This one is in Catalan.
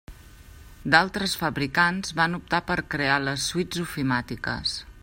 D'altres fabricants van optar per crear les suites ofimàtiques.